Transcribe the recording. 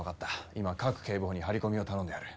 今賀来警部補に張り込みを頼んである。